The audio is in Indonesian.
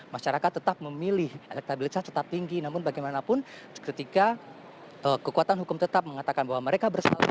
masyarakat tetap memilih elektabilitas tetap tinggi namun bagaimanapun ketika kekuatan hukum tetap mengatakan bahwa mereka bersalah